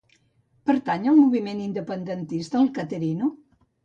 Pertany al moviment independentista el Caterino?